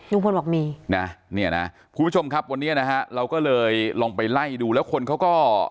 ลุงพลบอกมีนะเนี่ยนะคุณผู้ชมครับวันนี้นะฮะเราก็เลยลองไปไล่ดูแล้วคนเขาก็